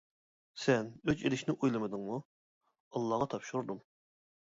سەن ئۆچ ئېلىشنى ئويلىمىدىڭمۇ؟ -ئاللاغا تاپشۇردۇم.